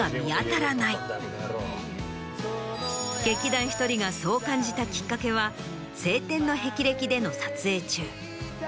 劇団ひとりがそう感じたきっかけは『青天の霹靂』での撮影中。